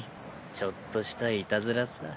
ちょっとしたいたずらさ。